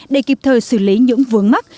để kịp thời xử lý những vướng mắc